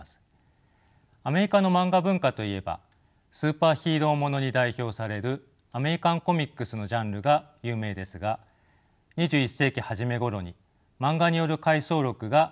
アメリカのマンガ文化といえばスーパーヒーロー物に代表されるアメリカンコミックスのジャンルが有名ですが２１世紀初め頃にマンガによる回想録が新しい潮流を示していました。